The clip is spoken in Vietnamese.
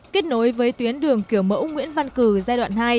kết nối với tuyến đường kiểu mẫu nguyễn văn cử giai đoạn hai